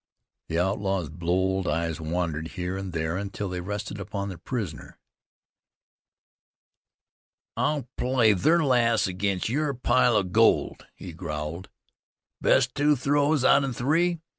The outlaw's bold eyes wandered here and there until they rested upon the prisoner. "I'll play ther lass against yer pile of gold," he growled. "Best two throws out 'en three.